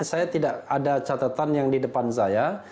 saya tidak ada catatan yang di depan saya